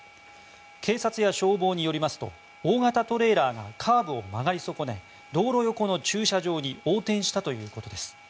警察や消防によりますと大型トレーラーがカーブを曲がり損ね道路横の駐車場に横転したということです。